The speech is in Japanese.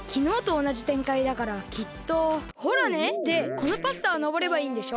このパスタをのぼればいいんでしょ？